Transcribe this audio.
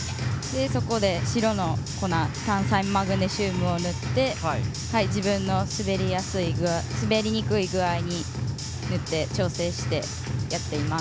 そして白の粉炭酸マグネシウムを塗って自分の滑りにくい具合に塗って調整してやっています。